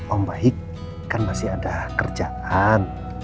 om baik kan masih ada kerjaan